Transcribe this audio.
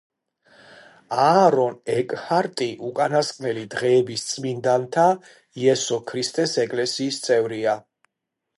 აარონ ეკჰარტი უკანასკნელი დღეების წმინდანთა იესო ქრისტეს ეკლესიის წევრია.